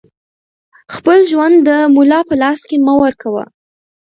خپل ژوند د ملا په لاس کې مه ورکوه